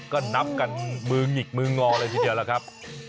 ก็นับกันมือหงิกมืองอเลยทีเดียวล่ะครับ